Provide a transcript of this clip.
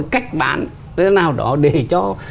cách bán thế nào đó để cho